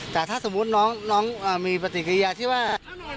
แต่ถ้าสมมุติน้องมีปฏิกิริยาที่ว่า